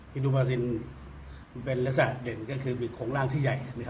อินดูบาซินมันเป็นลักษณะเด่นก็คือมีโครงร่างที่ใหญ่